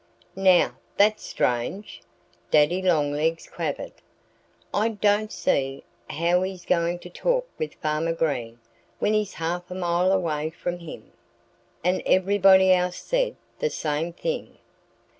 "Now, that's strange!" Daddy Longlegs quavered. "I don't see how he's going to talk with Farmer Green when he's half a mile away from him." And everybody else said the same thing.